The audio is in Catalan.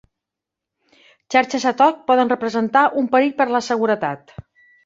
Xarxes ad hoc poden representar un perill per la seguretat.